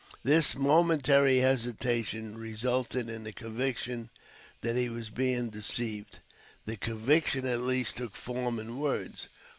This momentary hesitation resulted in the conviction that he was being deceived. The conviction, at last, took form in words.